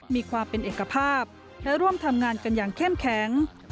มีความเป็นเอกภาพและร่วมทำงานกันอย่างเข้มแข็ง